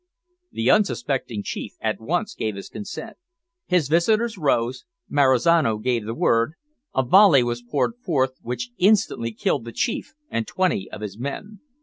The unsuspecting chief at once gave his consent. His visitors rose; Marizano gave the word; a volley was poured forth which instantly killed the chief and twenty of his men.